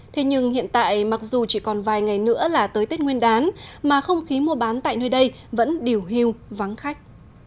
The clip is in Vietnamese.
thế nhưng hiện tại mặc dù chỉ còn vài ngày nữa là tới tết nguyên đán mà không khí mua bán tại nơi đây vẫn điều hưu vắng khách